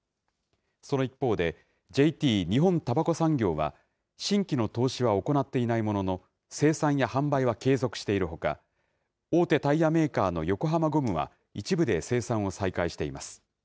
その一方で、ＪＴ・日本たばこ産業は、新規の投資は行っていないものの、生産や販売は継続しているほか、大手タイヤメーカーの横浜ゴムは、一部で生産を再開しています。